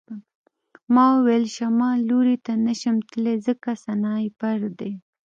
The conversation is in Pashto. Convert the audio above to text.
ما وویل شمال لور ته نشم تللی ځکه سنایپر دی